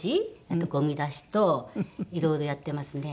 あとゴミ出しといろいろやってますね。